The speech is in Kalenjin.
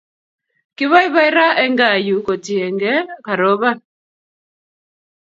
Kipoipoi raa en kaa yu kotienge karoban